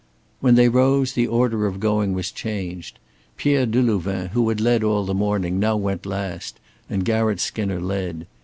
When they rose, the order of going was changed. Pierre Delouvain, who had led all the morning, now went last, and Garratt Skinner led.